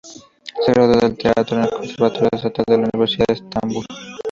Se graduó del teatro en el Conservatorio Estatal de la Universidad de Estambul.